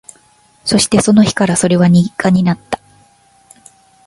そして、その日からそれは日課になった